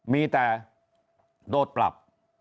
มีแต่โดนปรับ